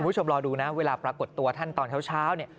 คุณผู้ชมรอดูนะเวลาปรากฏตัวท่านตอนเช้าเนี่ย